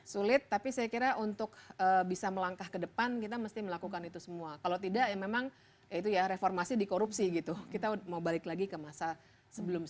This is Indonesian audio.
sulit tapi saya kira untuk bisa melangkah ke depan kita mesti melakukan itu semua kalau tidak ya memang ya itu ya reformasi di korupsi gitu kita mau balik lagi ke masa sebelum